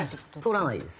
取らないです。